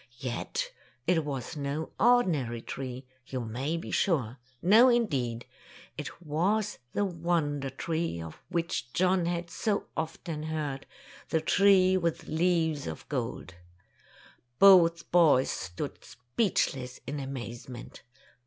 Yet it was no ordinary tree, you may be sure. No, indeed! It was the wonder tree of which John had so often heard, the tree with leaves of gold. 44 Tales of Modern Germany Both boys stood speechless in amazement.